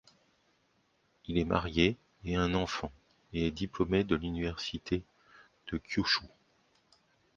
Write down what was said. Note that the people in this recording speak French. Il est marié et a un enfant, et est diplômé de l'Université de Kyūshū.